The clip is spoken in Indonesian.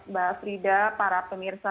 mbak frida para pemirsa